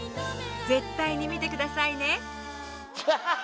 絶対に見て下さいね！